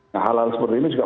nah hal hal seperti ini juga